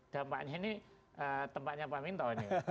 dampaknya ini tempatnya pak minto ini